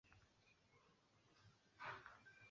Ukimpokea leo anabadili historia yako.